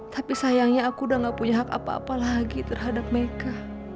tapi sayangnya aku udah gak punya hak apa apa lagi terhadap mereka